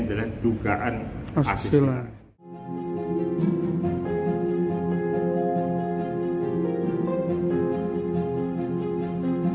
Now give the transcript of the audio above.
tapi sebagaimana disampaikan oleh kapolri